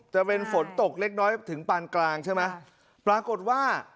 จะเป็นฝนตกเล็กน้อยถึงปานกลางใช่ไหมปรากฏว่า